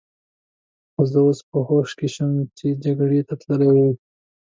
خو زه اوس په هوښ کې شوم، دی جګړې ته تلی و.